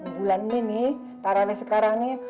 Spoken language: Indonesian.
bulan ini tarane sekarang nih